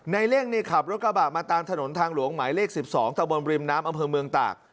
ในเร่งขับรถกระบะมาตามถนนทางหลวงหมายเลข๑๒ตะบนริมน้ำอำเภอเมืองตาก